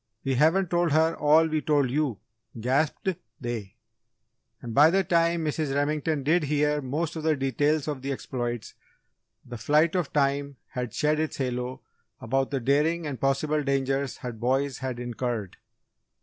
We haven't told her all we told you!" gasped they. And by the time Mrs. Remington did hear most of the details of the exploits, the flight of time had shed its halo about the daring and possible dangers her boys had incurred.